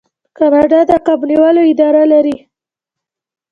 کاناډا د کب نیولو اداره لري.